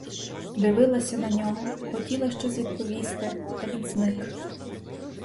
Дивилася на нього, хотіла щось відповісти, та він зник.